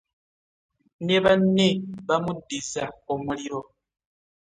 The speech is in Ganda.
Ne banne bamuddizza omuliro.